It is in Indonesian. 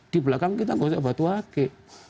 di belakang kita gosok batu ake